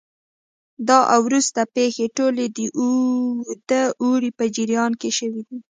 دا او وروسته پېښې ټولې د اوږده اوړي په جریان کې شوې دي